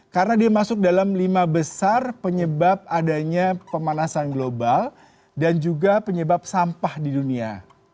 karena dia masuk dalam lima besar penyebab adanya pemanasan global dan juga penyebab sampah di dunia